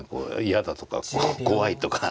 嫌だとか怖いとか。